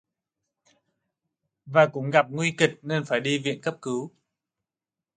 Và cũng gặp nguy kịch nên phải đi viện cấp cứu